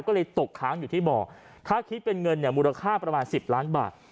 ก็เลยตกค้างอยู่ที่บ่อถ้าคิดเป็นเงินเนี่ยมูลค่าประมาณ๑๐ล้านบาท